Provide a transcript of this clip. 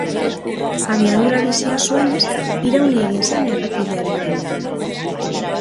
Abiadura bizia zuenez, irauli egin zen errepidearen gainean.